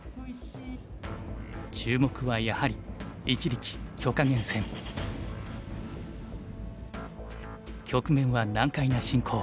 注目はやはり局面は難解な進行。